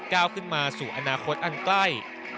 ก้าวขึ้นมาสู่อนาคตอันใกล้